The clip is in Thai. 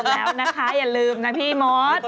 เขาน่าจะตื่นแล้วนะคะอย่าลืมนะพี่มอด